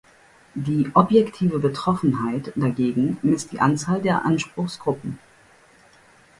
Die "objektive Betroffenheit" dagegen misst die Anzahl der Anspruchsgruppen.